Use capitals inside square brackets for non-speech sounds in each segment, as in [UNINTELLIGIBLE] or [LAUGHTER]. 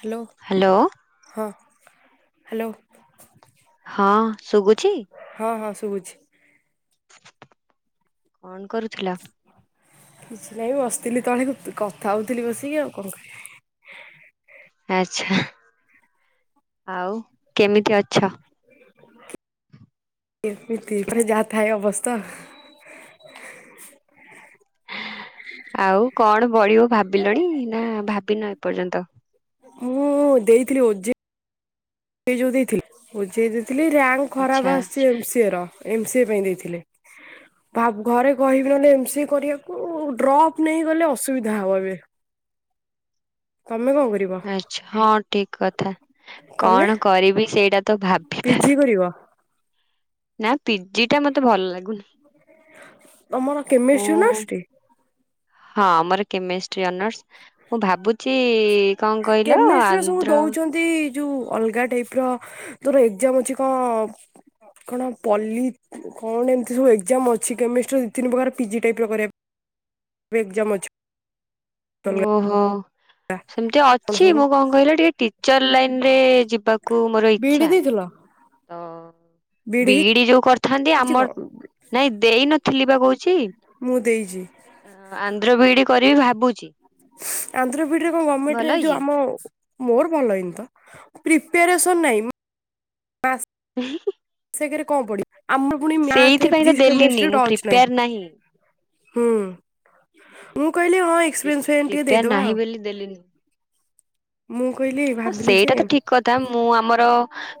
Hello. Hello. ହଁ hello. ହଁ ଶୁଭୁଚି? ହଁ ହଁ ଶୁଭୁଛି। କଣ କରୁଥିଲ? କିଛି ନାହିଁ ବସିଥିଲି ତଳେ କଥା ହଉଥିଲି ବସିକି ଆଉ କଣ କରିବି। ଆଚ୍ଛା ଆଉ କେମିତି ଅଛ? ଏମିତି ମାନେ ପା ଯାହା ଥାଏ ଅବସ୍ତା। ଆଉ କଣ ପଢିବ ଭାବିଲଣି ନା ଭାବିନା ଏପର୍ଯ୍ୟନ୍ତ? ମୁଁ ଦେଇଥିଲି ଓ ଜେ ଯୁ ଦେଇଥିଲି ଓଜେ ଦେଇଥିଲି ରେୟାଙ୍କ ଆଚ୍ଛା ଖରାପ ଆସିଛି ଏମସିଏ ର ଏମସିଏ ପାଇଁ ଦେଇଥିଲେ। ଘରେ କହିବନି ଏମ ସିଏ କରିବାକୁ ଡ୍ରପ୍ ନେଇ ଗଲେ ଅସୁବିଧା ହବ ଏବେ। ତମେ କଣ କରିବ? ଆଚ୍ଛା ହଁ ଠିକ କଥା କଣ କରିବି ସେଇଟା ତ ଭାବିପାରୁ କି କରିବ? ନା ପିଜି ଟା ମତେ ଭଲ ଲାଗୁନି ତମର କେମିଷ୍ଟ୍ରି ଅନର୍ସ ମୁଁ ଟି? ହଁ ମୋର କେମିଷ୍ଟ୍ରି ଅନର୍ସ ମୁଁ ଭାବୁଛି କଣ କହିଲ କେମିଷ୍ଟ୍ରିର ସବୁ ଆନ୍ଧ୍ର ଦଉଛନ୍ତି ଯୋଉ ଅଲଗା ଟାଇପି ର ତୋର ଏକ୍ସାମ୍ ଅଛି କଣ କଣ ପଲ୍ଲୀ। କଣ ଏମିତି ସବୁ ଏକ୍ସଜାମ୍ ଅଛି କେମିଷ୍ଟ୍ରି ଦି ତିନି ପ୍ରକାର ପିଜି ଟାଇପ ର କରିବା। ଏବେ ଏକ୍ସମ୍ ଅଛି। ଅଲଗା ଓହୋ। ସେମିତି ଅଛି ମୁଁ କଣ କହିଲ ଟିକେ ଟିଚର ଲାଇନ ରେ ଯିବାକୁ ମୋର ବିଇଡି ଇଚ୍ଛା। ଦେଇଥିଲ? ତ। ବିଇଡି ବି ଇ ଡି ଯୋଉ କରିଥାନ୍ତି ହେଇଛି କଣ ଆମର ନାଇଁ ଦେଇନଥିଲି ବା କହୁଛି। ମୁଁ ଦେଇଛି। ଆନ୍ଧ୍ର ବିି ଇ ଡି କରିବି ଭାବୁଛି। ଆନ୍ଧ୍ରବି ଇ ଡି ରେ କଣ ଗର୍ମେଣ୍ଟରେ ଭଲ ଏଇ ଯୋଉ ହେଇଛି ଆମ ମୋର ଭଲ ହେଇ ନି ତ ପ୍ରେପରେସନ ନାଇ ମ ହୁଁ। ସେଗାରେ କଣ ପଡିବ ଆମର ପୁଣି ମ୍ୟାଥ ସେଇଥିପାଇଁ ତ ଫିଜିକ୍ସ ଦେଲିନି କେମିଷ୍ଟ୍ରୀରେ ମୁଁ ଟଚ ନାହିଁ। ପ୍ରିପେୟାର ହୁଁ ମୁଁ କହିଲି ହଁ ଏକ୍ସପିରିଏନ୍ସ ପାଇଁ ଟିକେ ପ୍ରିପେୟାର ଦେଇଦବା ନାହିଁ ଆଉ। ବୋଲି ଦେଲିନି ମୁଁ କହିଲି ହଁ ଭାବିଲି ସେଇଟା ଯେ ତ ଠିକ କଥା ମୁଁ ଆମର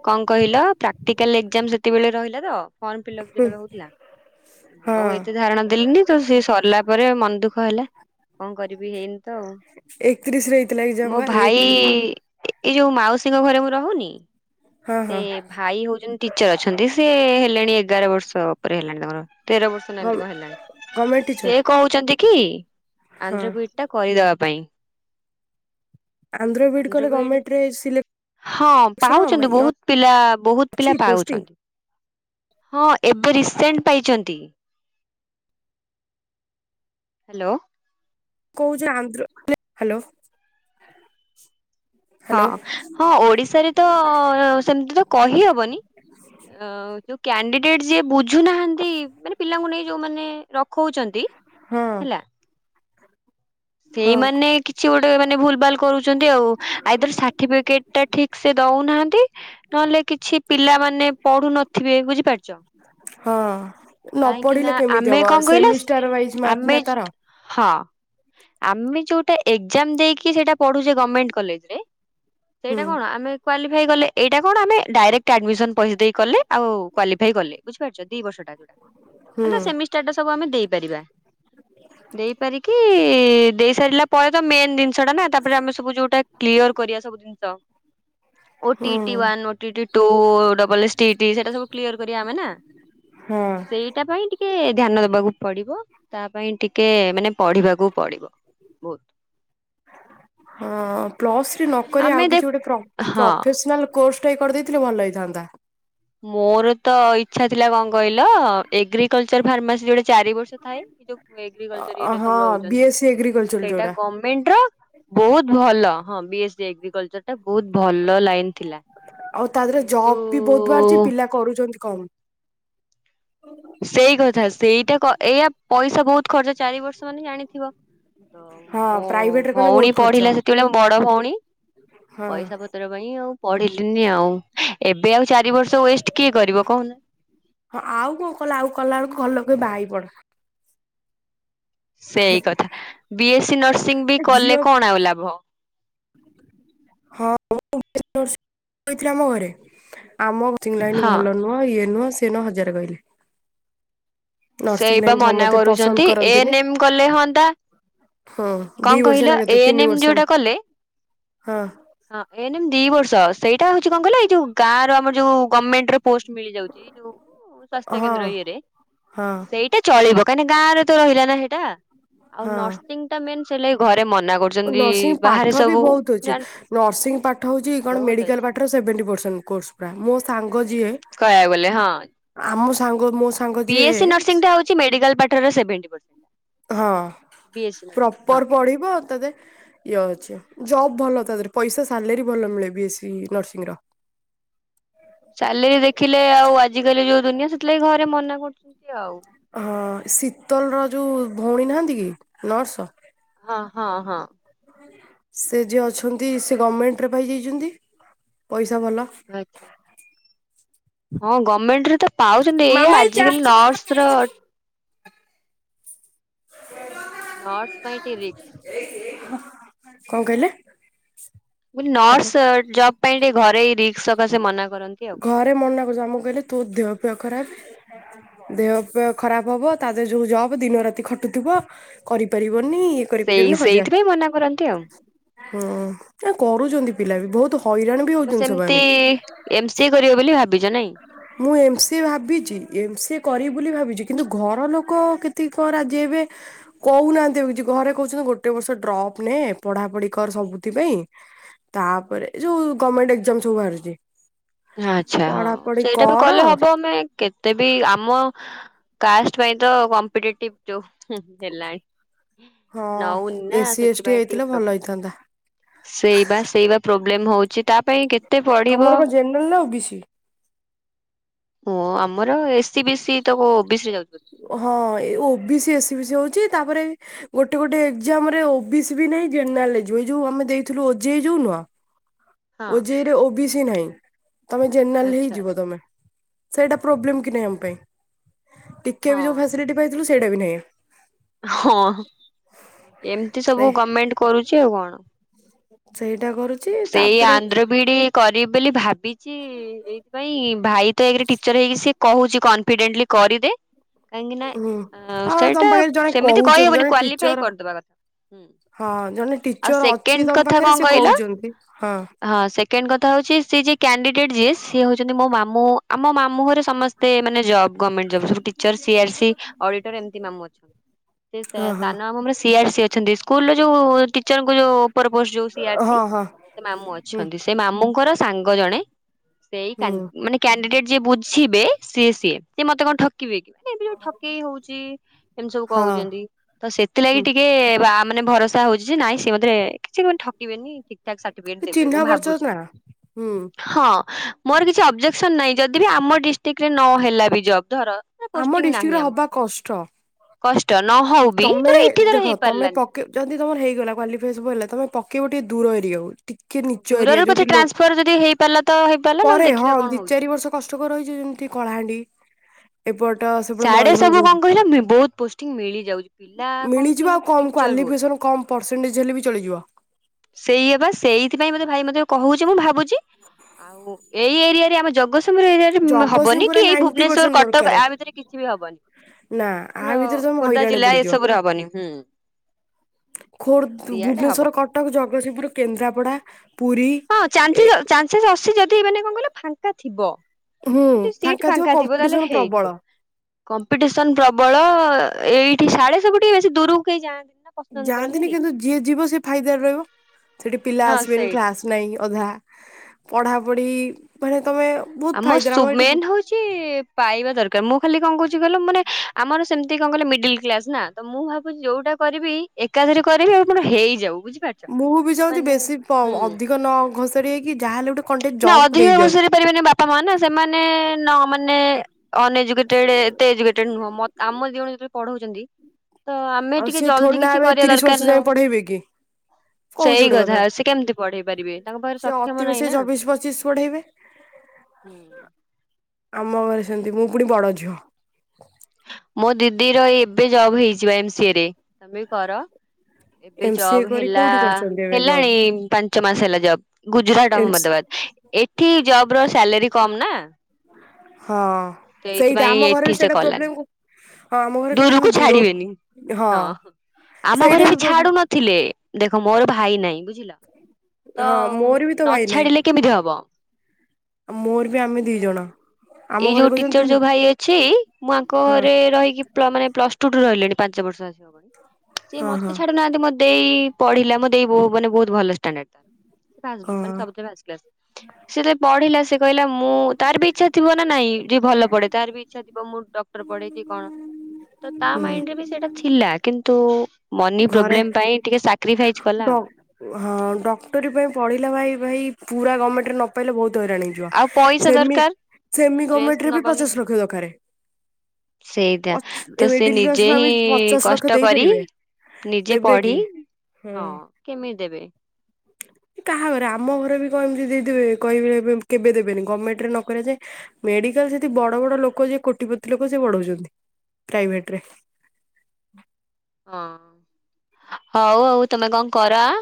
କଣ କହିଲ ପ୍ରାକ୍ଟିକାଲ ଏଜାମ ସେଟିକିବେଳେ ରହିଲା ତ। ଫର୍ମ ଫିଲପ ଯେତେବେଳେ ହଉଥିଲା ମୁଁ ହଁ ଆଉ ଏତେ ଧାରଣା ଦେଲିନି। ତ ସେ ସରିଲା ପରେ ମନ ଦୁଃଖ ହେଲା। କଣ କରିବି ହେଇନି ତ ଆଉ ଏକତିରିଶରେ ହେଇଥିଲା ଏକ୍ଜାମ ମୋ ବା ଭାଇ ଏକତିରିଶ ଏଇ ଯୋଉ ମାଉସୀଙ୍କ ଘରେ ମୁଁ ରହୁନି ହଁ ସେ ହଁ। ଭାଇ ହଉଛନ୍ତି ଟିଚର ଅଛନ୍ତି ସେ ହେଲେଣି ଏଗାର ବର୍ଷ ଉପରେ ହେଲାଣି ତାଙ୍କର ତେର ବର୍ଷ ନା ଗଭ ଏମତି କଣ ଗଭର୍ଣମେଣ୍ଟ ହେଲାଣି ସେ ଟିଚର କହୁଛନ୍ତି କି ହଁ ଆନ୍ଧ୍ର ବି ଇ ଡି ଟା କରିଦବା ପାଇଁ ଆନ୍ଧ୍ର ବି ଇ ଡି କଲେ ଗମେଣ୍ଟ ହଁ ପାଉଛନ୍ତି ବହୁତ ପିଲା ବହୁତ ଅଛି ପିଲା ପୋଷ୍ଟିଂ ପାଉଛନ୍ତି। ହଁ ଏବେ ରିସେଣ୍ଟ ପାଇଛନ୍ତି। ହ୍ୟାଲୋ କହୁଛି ଆନ୍ଧ୍ର ହ୍ୟାଲୋ। ହଁ ହ୍ୟାଲୋ ହଁ ଓଡିଶାରେ ତ ସେମିତି ତ କହିହବନି କ୍ୟାଣ୍ଡିଡେଟ ଯିଏ ବୁଝୁନାହାନ୍ତି ମାନେ ପିଲାଙ୍କୁ ନେଇ ଯୋଉମାନେ ରଖଉଛନ୍ତି ହଁ ହେଲା ସେଇମାନେ କିଛି ଗୋଟେ ମାନେ ଭୁଲ ଭାଲ କରୁଛନ୍ତି ଆଉ ଆଇଦାର ସାର୍ଟିଫିକେଟ ଟା ଠିକ ସେ ଦଉନାହାନ୍ତି ନହେଲେ କିଛି ପିଲାମାନେ ମାନେ ପଢୁ ନଥିବେ ବୁଝିପାରୁଛ। ହଁ ନ କାହିଁକି ନା ପଢିଲେ କେମିତି ଆମେ ହବ କଣ କହିଲ ସେମିଷ୍ଟର ୱାଇଜ ଆମେ ମାର୍କ ନା ତାର ହଁ ଆମେ ଯୋଉଟା ଏକ୍ଜାମ ଦେଇକି ସେଇଟା ପଢୁଛେ ଗଭର୍ଣମେଣ୍ଟ କଲେଜ ରେ ହୁଁ ସେଇଟା କଣ ଆମେ କ୍ୱାଲିଫାଇ କଲେ ଏଇଟା କଣ ଆମେ ଡାଇରେକ୍ଟ ଆଡମିସନ ପଇସା ଦେଇ କଲେ ଆଉ କ୍ୱାଲିଫାଇ କଲେ ବୁଝିପାରୁଛ ଦି ବର୍ଷଟା ହୁଁ ଯୋଉଟାେ ସେମିଷ୍ଟାର ଟା ସବୁ ଆମେ ଦେଇପାରିବା ଦେଇପାରିକି ଦେଇ ସାରିଲା ପରେ ତ ମେନ୍ ଜିନିଷ ଟା ନା ତାପରେ ଆମେ ସବୁ ଯୋଉଟା କ୍ଲିୟର କରିବା ସବୁ ଜିନିଷ ଓ ଟି ହୁଁ E T one, O T E T two, double S T E ଟି ସେଟା ସବୁ କ୍ଲିୟର କରିବା ଆମେ ନା ହଁ ସେଇଟା ପାଇଁ ଟିକେ ଧ୍ୟାନ ଦବାକୁ ପଡିବ ତା ପାଇଁ ଟିକେ ମାନେ ପଢିବାକୁ ପଡ଼ିବ ହଁ ପ୍ଲସ ଥ୍ରି ନକରି ଆମେ ଆଉ ଦେ କିଛି ଗୋଟେ ହଁ ପ୍ର-ପ୍ରଫେସନାଲ କୋର୍ସ ଟାଇ କରିଦେଇଥିଲେ ଭଲ ହେଇଥାନ୍ତା ମୋର ତ ଇଚ୍ଛା ଥିଲା କଣ କହିଲ ଏଗ୍ରିକଲଚର ଫାର୍ମାସି ଯୋଡେ ଚାରି ବର୍ଷ ଥାଏ ଏଇ ଯୋଉ ଏଗ୍ରିକଲଚର ଇରି ହଁ ସବୁ ବି ରହୁଛନ୍ତି ଏସ୍ ସି ଏଗ୍ରିକଲଚର ସେଇଟା ଯୋଉଟା ଗଣ୍ ପେଣ୍ଡ୍ର ବହୁତ୍ ଭଲ ହଁ ବି ଏସ ସି ଏଗ୍ରିକଲଚର ଟା ବହୁତ ଭଲ ଲାଇନ ଥିଲା ଆଉ ତା ଦେହରେ କିନ୍ତୁ ଜବ୍ ବି ବହୁତ ବାହାରିଛି ପିଲା କରୁଛନ୍ତି କମ୍ ସେଇ କଥା ସେଇଟା କ ଏଇଆ ପଇସା ବହୁତ ଖର୍ଚ୍ଚ ଚାରି ବର୍ଷ ମାନେ ଜାଣିଥିବ ତ ହଁ ମୋ ପ୍ରାଇଭେଟ ରେ କଲେ ଭଉଣୀ ବହୁତ ଖର୍ଚ୍ଚ ପଢିଲା ସେତବେଳେ ବଡ ଭଉଣୀ ହଁ ପଇସା ପ ପତ୍ର ପାଇଁ ଆଉ ପଢିଲିନି ଆଉ ଏବେ ଆଉ ଚାରି ବର୍ଷ ୱେଷ୍ଟ କିଏ କରିବ କହୁନା ହଁ ଆଉ କଣ କଲା ଆଉ କଲା ବେଳକୁ ଘରଲୋକ ବାହା ହେଇ ପଡ ସେଇ କଥା ବି ଏସ୍ ସ ନର୍ସିଂ ବି ଝିଅ କଲେ କଣ ଆଉ ଲାଭ ହଁ ମୁଁ କହିଥିଲି [INAUDIBLE] ଆମ ଘରେ ଆମି [INAUDIBLE] ଲାଇ ଭଲ ନୁଁ। ହଁ ଇଏ ନୁହଁ ସେ ନୁହଁ ହଜାର କହିଲେ। ନର୍ସିଂ ସେଇ ବା ଲାଇନ ମନା ସମସ୍ତେ ପସନ୍ଦ କରୁଛନ୍ତି କରନ୍ତିନି ଏନେମ କଲେ ହୁଅନ୍ତା। ହଁ ଦି କଣ ବର୍ଷ ନା କହିଲ କେତେ ଏ ତିନି ଏନ୍ ଏମ୍ ବର୍ଷ ନା ଯୋଉଁଟା କଲେ। ହଁ ହଁ ଏ ଏନ୍ ଏମ୍ ଦି ବର୍ଷ ସେଇଟା ହଉଛି କଣ କହିଲ ଏଇ ଯୋଉ ଗାଁ ର ଆମରୋଉ ଗର୍ଣ୍ଣମେଣ୍ଟ ର ପୋଷ୍ଟ ମିଳିଯାଉଛି ଯୋଉ ସ୍ଵାସ୍ଥ୍ୟ ହଁ କେନ୍ଦ୍ର ଇଏରେ ହଁ ସେ ଚଳିବ କାହିଁକି ଗଁରେ ତ ରହିଲ ନା ସେଇଟା ଆଉ ହଁ ନର୍ସିଂ ଟା ମେନ୍ ସେଲେଇ ଘରେ ମନ ନର୍ସିଂ ପାଠ ବି ବହୁତ ଅଛି ଜାଣି ନର୍ସିଂ ପାଠ ହଉଛି କଣ ବହୁତ ଅଛି ମେଡିକାଲ ପାଠ ପୁରା ସେଭେଣ୍ଟି ପରସେଣ୍ଟ କୋର୍ସ ପ୍ରା ମୋ ସାଙ୍ଗ ଯିଏ କହିବାକୁ ଗଲେ ହଁଁ ଆମ ସାଙ୍ଗ ମୋ ସାଙ୍ଗ ବି ଯିଏ ଏସ ସି ନର୍ସିଂ ଟା ହଉଛି ମେଡିକାଲ ପାଠ ର ସେଭେଣ୍ଟ୍ଟୀ ପ ହଁ ହଁ। ପ୍ରପର ପଢିବ ତତେ ଇଏ ଅଛି, ଜବ୍ ଭଲ ତା ଦେହରେ, ପଇସା ସାଲେରୀ ଭଲ ମିଳେ ବି ଏସ୍ ସି ନର୍ସିଂ ର ସାଲେରୀ ଦେଖିଲେ ଆଉ ଆଜିିକାଲି ଯୋଉ ଦୁନିଆ ସେଥିଲାଗି ଘରେ ମନା କରୁଛନ୍ତି ଆଉ ହଁ ଶୀତଲର ଯୋଉ ଭଉଣୀ ନାହାନ୍ତି କି ନର୍ସ ହଁ ହଁ ହଁ। ସେ ଯିଏ ଅଛନ୍ତି, ସେ ଗଭର୍ଣମେଣ୍ଟରେ ପାଇଯାଇଛନ୍ତି ପଇସା ଭଲ। ଆଛା। ହଁ ଗଭର୍ଣମେଣ୍ଟରେ ତ ପାଉଛନ୍ତି ଏଇଆ, ମାମା ଏଇ ଚା ଆଜିକାଲି ନର୍ସ ର ନର୍ସ ପାଇଁ ଟିକେ ରିସ୍କ। କଣ କହିଲେ? ମୁଁ ନି ହ୍ୟାଲୋ ନର୍ସ ଜବ ପାଇଁ ଟିକେ ଘରେ ରିକ୍ସ ସକାଶେ ମନା କରନ୍ତି ଆଉ। ଘରେ ମନା କରୁଛ ଆମ କୁ କହିଲି ତୋ ଦେହ ପିହ ଖରାପ ଦେହଫେହ ଖରାପ ହବ, ତା ଦେହ ଯୋଉ ଜବ ଦିନ ରାତି ଖଟୁଥିବ। କରିପାରିବନି ଇଏ ସେଇ କରିପାରିବନି ହଜାର। ସେଇଥିପାଇଁ ମନା କରନ୍ତି ଆଉ। ହୁଁ, ଆ କରୁଛନ୍ତି ପିଲା ବି ବହୁତ ହଇରାଣ ବି ଆମ ହଉଛନ୍ତି ସେମିତି ସେମାନେ। ଏମ ସିଏ କରିବେ ବୋଲି ଭାବିଛ, ନାଇଁ। ମୁଁ ଏମ ସିଏ ଭାବିଛି ଏମ ସିଏ କରିବି ବୋଲି ଭାବିଛି କିନ୍ତୁ ଘର ଲୋକ କେତିକି କଣ ରାଜି ହେବେ। କହୁନାହାନ୍ତି କିଛି, ଘରେ କହୁଛନ୍ତି ଗୋଟେ ବର୍ଷ ଡ୍ରପ୍ ନେ ପଢା ପଢି କର ସବୁଥି ପାଇଁ ତାପରେ ଯୋଉ ଗଭର୍ଣ୍ଣମେଣ୍ଟ ଏଜାମ ସବୁ ବାହାରୁଛି। ଆଛା, ହଁ ପଢାପଢି ସେଇଟା ବି କର କଲେ ହବ। ତେ କେତେ ବି ଆମ କାଷ୍ଟ ପାଇଁ ତ କମ୍ପଟେଟିପ ଯଉ ହୁ ହେଲଣି। ହଁ ନଉନି ନା ଏସି ଏସ୍ ଟି ସେଥିପାଇଁ ହେଇଥିଲେ ଟିକେ ପ୍ରୋ ଭଲ ହେଇଥାନ୍ତା। ସେଇ ବା ସେଇବା ପ୍ରୋବ୍ଲେମ ହଉଛି, ତା ପାଇଁ କେ ତମର କଣ ଜେନେରାଲ ନା ଓ ବି ସି? ହଁ ଆମର ଏ ସି ବି ସି ତ ବିଶ ରେ ଯାଉଛି ବୋ ହଁ ଏ ଓ B C S B C ହଉଛି, ତାପରେ ଗୋଟେ ଗୋଟେ ଏକ୍ଜାମ ରେ ଓ ବି ସ ବି ନାହିଁ ଜେନେରା ଏ ଯୋଉ ଆମେ ଦେଇଥିଲୁ ଯୋଉ ନୁହଁ। ଓ ହଁ ଯେ ଇ ରେ ଓ ବି ସି ନାହିଁ, ତମେ ଜେନେରାଲ ଆଚ୍ଛା ହିଁ ଯିବ ଆଚ୍ଛା। ତମେ। ସେଇଟା ପ୍ରୋବଲେମ କି ନାହିଁ ଆମ ପାଇଁ, ଟିକେ ବି ହଁ ଯୋଉ ଫାସିଲିଟି ପାଇଥିଲୁ, ସେଇଟା ବି ନାହିଁ। ହଁ ଏମିତି ସେ ସବୁ ଗଭର୍ଣମେଣ୍ଟ କରୁଛି ଆଉ କଣ? ସେଇଟା କରୁଛି ସେଇ ତାପରେ ଆନ୍ଧ୍ର ବିିଡି କରିବି ବୋଲି ଭାବିଛି ଏଇଥିପାଇଁ, ଭାଇ ତ ଏକରେ ଟିଚର୍ ହେଇକି ସେଏ କହୁଛି କନଫିଡେଣ୍ଟଲି କରିଦେ, କାହିଁକି ନା ହୁଁ ଆଉ ତମ ସେଇଟା ପାଖରେ ଜଣେ ଏମିତି କହୁଛନ୍ତି କହିହବନି ଜଣେ କ୍ୱାଲିଫାଇ ଟିଚର କରିଦବା କଥା। ହୁଁ ହଁ ଜଣେ ଆଉ ଟିଚର ଅଛି ସେକେଣ୍ଡ ତମ କଥା ପାଖରେ, କଣ ସେ କହିଲ କହୁଛନ୍ତି ହଁ। ହଁ ସେକେଣ୍ଡ କଥା ହଉଛି ସେ ଯିଏ କ୍ୟାଣ୍ଡିଡେଟ୍ ଯିଏ ସିଏ ହଉଛନ୍ତି ମୋ ମାମୁଁ ଆମ ମାମୁଁଘରେ ସମସ୍ତେ ମାନେ ଜବ୍ ଗଭର୍ଣ୍ଣମେଣ୍ଟ ଜବ୍ ସବୁ ଟିଚର ସିଆର ସ ଅଡିଟର ଏମିତି ମାମୁ ଅଛନ୍ତି। ସେ ହଁ ହଁ ସମ ସିଆର ସ ଅଛନ୍ତି ସ୍କୁଲ ଯୋଉ ଟିଚର ଯୋଉ ଉପର ପୋଷ୍ଟ ଯୋଉ ସିଆର ହଁ ସି। ହଁ ସେ ମାମୁଁ ହୁଁ ଅଛନ୍ତି, ସେ ମାମୁଁଙ୍କର ସାଙ୍ଗ ଜଣେ ସେଇ କାଣ୍ଡ ହୁଁ ମାନେ କ୍ୟାଣ୍ଡିଡେଟ ଯିଏ ବୁଝିବେ, ସି ସିଏ, ଯେ ମତେ କଣ ଠ ଠିବ ମେ ଏ ଯୋ ଠକେଇ ହଉଛି ଏମିତି ସବୁ ହଁ କହୁଛନ୍ତି ତ ସେଥିଲାଗି ହୁଁ ଟିକେ ବା ମାନେ ଭରସା ହଉଛି ଯେ ନାଇଁ ସେ ମରେ କିଛିମାନେ ଠକିବେନି ସାଥିପିକେଟ ସେ ଦେବେ, ଚିହ୍ନା ମୁଁ ପରିଚୟ ଭାବୁଛି। ନା ହୁଁ ହଁ ମୋର କିଛି ଅବଜେକ୍ସନ ନାହିଁ ଯଦି ବି ଆମ ଡିଷ୍ଟ୍ରିକ୍ଟରେ ନହେଲା ବି ଜବ୍ ଧର ଆମ ପୋଷ୍ଟିଂ ନାହିଁ ଡିଷ୍ଟ୍ରିକ୍ଟରେ ଆମ ହବା କଷ୍ଟ। କଷ୍ଟ ନହଉ ବି, ତର ଏଇଠି ତର ହେଇ ପାରିଲାନି। ଯମି ତମର ହେଇଗଲା, କାଲିଫାଇ ସବୁ ହେଲା ତମେ ପକେଇବ ଟିକେ ଦୂର ଏରିଆ, ହଉ। ଟିକେ ନିଚ ଏରିଆ ଦୂରରେ ପଛେ ଯୋଉଠି ଲୋକ ଟ୍ରାନ୍ସଫର ଯଦି ହେଇପାରିଲା ତ ହେଇପାରିଲା ପରେ ନହେଲେ ହଁ ଦେଖିବା କଣ ଦି ଚାରି ହଉଛି। ବର୍ଷ କଷ୍ଟକର ରହିଛି, ଯେମିତି କଳାହାଣ୍ଡି ଏପଟ ସେପଟ ସାଡେ ମୟୂରଭଞ୍ଜ ସବୁ କଣ କହିଲ ମି ବହୁତ ପୋଷଟିଂ ମିଳିଯାଉଛି। ପିଲା କମ ମିଳିଯିବ କିନ୍ତୁ ଆଉ କମ୍ ଟିଚର ବହୁତ। କ୍ୱାଲିଫିକେସନ କମ୍ ପରସେଣ୍ଟେଜ ହେଲେ ବି ଚଳିଯିବ। ସେଇ ଏବା ସେଇଥିପାଇ ମତେ ଭାଇ ମତେ କହୁଛି ମୁଁ ଭାବୁଛି। ଏଇ ଏରିଆ ରେ ଆମ ଜଗତ ସିଂହପୁର ଏରିଆରେ ହବନି ଜଗତସିଂହପୁର ରେ କି ଏଇ ନାଇଣ୍ଟି ଭୁବନେଶୂର ପରସେଣ୍ଟ ଦରକାର କଟକ ଏହା ଭିତରେ କିଛି ବି ହବନି। ନା ଆ ଆମର ଭିତରେ ତମେ ଖୋର୍ଦ୍ଧା ହଇରାଣ ଜିଲ୍ଲା ଏସବୁରେ ହବନିୁଁ ହୁଁ। ଖୋର୍ଦ୍ଧ, ସିଆଡେ ହବ। ଭୁବନେଶୂର, କଟକ, ଜଗତସିଂହପୁର, କେନ୍ଦ୍ରାପଡା, ପୁରୀ। ହଁ ଚାଞ୍ଚ ଏ ଚାଞ୍ଚେସ୍ ଅଛି ଯଦି ମାନେ କଣ କହିଲ ଫାଙ୍କା ଥିବ। ହୁଁ ଯଦି ସିଟ୍ ଫାଙ୍କା ଥିବ ତାହେଲେ କମ୍ପିଟିସନ ପ୍ରବଳ ହେଇଯିବ। କମ୍ପିଟିସନ ପ୍ରବଳ ଏଇଠି ସାଢେ ସବୁ ଟିକେ ବେଶୀ ଦୂରକୁ କେହି ଯାଆନ୍ତି ନି। ଯାଆନ୍ତିନି କିନ୍ତୁ ଯିଏ ଯିବ ସିଏ ଫାଇଦାରେ ରହିବ ସେଠି ପିଲା ହଁ ଆସିବେନି ସେଇଟା କ୍ଲାସ ନାଇଁ ଅଧା ପଢାପଢି ମାନେ ତମେ ବହୁତ ଆମ ଫାଇଦାରେ ସୁ ଏଠି ମେନ୍ ହଉ ଚି‌-ଇ-ଇ ପାଇବା ଦରକାର ମୁଁ ଖାଲି କଣ କହୁଛି କହିଲ ମାନେ ଆମର ସେମିତି କଣ କଲ ମିଡିଲ କ୍ଲାସ ନା ତ ମୁଁ ଭାବୁଛି ଯୋଉଟା କରିବି ଏକାଥରେ କରିବି ଆଉ ମୋର ହେଇଯାଉ ବୁଝି ମୁଁ ବି ଚାହୁଁଛି ବେଶୀ ପ‌ ଅଧିକ ନ ଘୋଷାରି ହେଇକି ଯାହାହେଲେ ଗୋଟେ କଣ୍ଟେଣ୍ଟ ନା ଜବ୍ ଅଧିକ ହେଇଯାଉ। ଘୋଷାରି ପାରିବେନି ବାପା ମା ନା ସେମାନେ-ଏ-ଏ-ଏ ନ ମାନେ ଅନ ଏଜୁକେଟେଡ ଏତେ ଏଜୁକେଟେଡ ନୁହଁ ମୋତ ଆମ ଦିଇ ଜଣଙ୍କୁ ଯେତେବି‌ ପଢଉଛନ୍ତି ତ ଆମେ ଆଉ ଟିକେ ସିଏ ଥୋଡି ଜଲଦି ନା କିଛି ଏବେ କରିବା ତିରିଶ ବର୍ଷ ଦରକାର ଯାଏଁ ନାଁ। ପଢେଇବେ କି କହୁଛି ସେଇ ଗୋଟେ କଥା ସେ କେମିତି ପଢେଇ ପାରିବେ ତାଙ୍କ ପାଖରେ ସିଏ ଅତି ସକ୍ଷମ ନାହିଁ ନା। [UNINTELLIGIBLE] ପଚିଶ ପଢେଇବେ। ହୁଁ। ଆମ ଘରେ ସେମିତି ମୁଁ ପୁଣି ବଡ ଝିଅ। ମୋ ଦିଦିର ଏଇ ଏବେ ଜବ ହେଇଚି ପା‌ ଏମ ସି ଏ ରେ ତମେ ବି କର। ଏବେ ଏମ ସି ଏ ଜବ କରି କୋଉଠି ହେଲା-ଆ-ଆ କରୁଛନ୍ତି ଏବେ ଜବ୍ ହେଲାଣି ପାନ୍ ଞ୍ଚ ମାସ ହେଲା job Gujarat M C Ahmedabad ଏଠି ଜବ ର ସାଲରୀ କମ୍ ନା। ହଁ ସେଇଟା ସେଇଥିପାଇଁ ଆମ ଘରେ ଏଠି ବି ସେ ସେଇଟା କଲାନି। ପ୍ରୋବ୍ଲେମ କୁ ହଁ ଆମ ଘରେ କେବେ ଦୂରକୁ ତୁମେ ଦୂର ଛାଡିବେନି ହଁ। ଆମ ସେଇଟା ଘରେ ବି ଛାଡୁ ପ୍ରୋବ୍ଲେମ ନଥିଲେ। ଦେଖ ମୋର ଭାଇ ନାଇଁ ବୁଝିଲ। ତ ହଁ ମୋର ବି ତ ନ ଭାଇ ନାହିଁ ଛାଡିଲେ କେମିତି ହବ। ମୋର ବି ଆମେ ଦି ଜଣ। ଆମ ଘରେ ପଛେ ଚୋର ଯୋଉ ଭାଇ ଅଛି ମୁଁ ଆଙ୍କ ଘରେ ରହିକି ପ୍ଲ ମାନେ ପ୍ଲସ ଟୁୁ ରହିଲେଣି ପାଞ୍ଚ ବର୍ଷ। ସିଏ ହଁ ମତେ ହଁ ଛାଡୁନାହାନ୍ତି ମ ଦେଇ-ଇ-ଇ ପଢିଲା ମୋ ଦେଇ ବହୁ ମାନେ ବହୁତ ଭଲ ଷ୍ଟାଣ୍ଡାଡ୍ ସେ ଫାଷ୍ଟ ମାନେ ସବୁଥିରେ ହଁ ଭଲ ଫାଷ୍ଟ କ୍ଲାସ୍ ସେ ତେ ପଢିଲା ସେ କହିଲା ମୁଁ-ଉ-ଉ ତାର ବି ଇଚ୍ଛା ଥିବ ନା ନାଇଁ। ଯିଏ ଭଲ ପଢେ ତାର ବି ଇଚ୍ଛା ଥିବ ମୁଁ ଡକ୍ଟର ପଢେ କି କଣ ତ ତା ମାଇଣ୍ଡ ରେ ବି ସେଇଟା ଥିଲା କିନ୍ତୁ ମନି ପ୍ରୋବ୍ଲେମ ପାଇଁ ଟିକେ ସାକ୍ ଡ଼ ହଁ ଡକ୍ଟରୀ ପାଇଁ ପଢିଲା ଭାଇ ଭାଇ ପୁରା ଗମେଣ୍ଟରେ ନ ପାଇଲେ ବହୁତ ହଇରାଣ ହେଇ ଯିବ ଆଉ ପଇସା ସେମି ଦରକାର ସେମି ଷ୍ଟ୍ରେସ ଗମେଣ୍ଟରେ ବି ନବନି ପଚାଶ ଲକ୍ଷ ଦରକାରେ। ସେଇଟା ଅଛ୍ ଏ ତ ସେ ମିଡିଲ ନିଜେ କ୍ଲାସ ହିଁ ଫାମିଲି ପଚାଶ ଲକ୍ଷ କଷ୍ଟ କରି ଦେଇପାରିବେ। ନିଜେ ଦେବେ ପଢି କି? ହୁଁ ହଁ କେମିତି ଦେବେ। କାହାଘରେ ଆମ ଘରେ ବି କଣ ଏମିତି ଦେଇଦେବେ କହିବେ କେବେ ଦେବେନି ଗମେଣ୍ଟରେ ନ କରାଯାଏ। ମେଡିକାଲ ଯେତି ବଡ ବଡ ଲୋକ ଯିଏ କୋଟିପତି ଲୋକ ସିଏ ପଢଉଛନ୍ତି ପ୍ରାଇଭେଟରେ। ହଁ ହଉ ହଉ ତମେ କଣ କର ଆଁ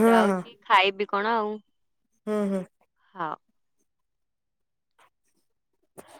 ହଁ ହଁ ରହୁଚି ଖାଇବି କଣ ଆଉ। ହୁଁ ହୁଁ। ହଁ।